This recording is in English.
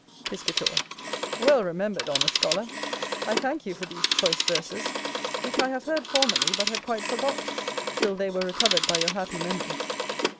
Piscator. Well remembered, honest scholar. I thank you for these choice verses; which I have heard formerly, but had quite forgot, till they were recovered by your happy memory.